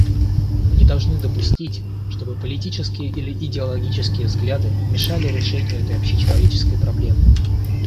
Мы не должны допустить, чтобы политические или идеологические взгляды мешали решению этой общечеловеческой проблемы.